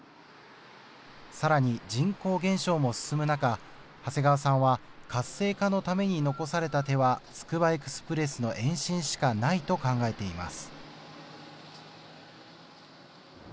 さらに人口減少も進む中、長谷川さんは活性化のために残された手はつくばエクスプレスの延伸しかないと考えています。